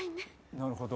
なるほど。